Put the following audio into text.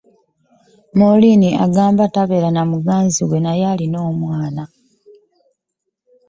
Moureen agamba nti tabeera na muganzi we wabula balina omwana